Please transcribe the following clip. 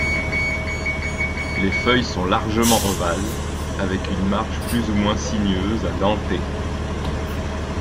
Les feuilles sont largement ovales, avec une marge plus ou moins sinueuse à dentée.